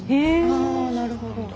ああなるほど。